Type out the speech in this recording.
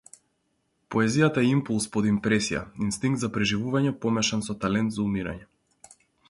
Поезијата е импулс под импресија, инстинкт за преживување помешан со талент за умирање.